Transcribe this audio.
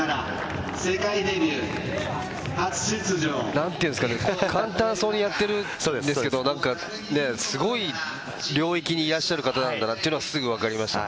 なんて言うんですかね、簡単そうにやっているんですけど、すごい領域にいらっしゃる方なんだなって、すぐわかりました。